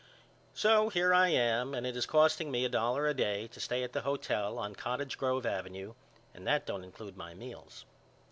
So here I am and it is costing me a dollar a day to stay at the hotel on Cottage Grove Avenue and that don't include my meals.